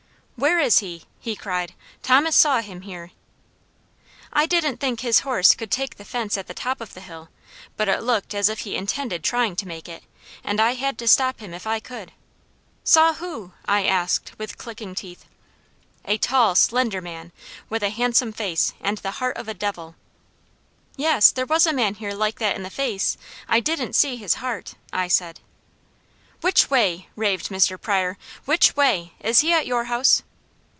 "Where is he?" he cried. "Thomas saw him here!" I didn't think his horse could take the fence at the top of the hill, but it looked as if he intended trying to make it, and I had to stop him if I could. "Saw who?" I asked with clicking teeth. "A tall, slender man, with a handsome face, and the heart of a devil." "Yes, there was a man here like that in the face. I didn't see his heart," I said. "Which way?" raved Mr. Pryor. "Which way? Is he at your house?"